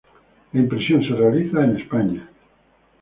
La impresión se realiza en España.